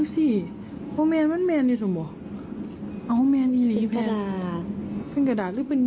สาวเจ้าคนนี้บอกอยากกินไข่ปิ้ง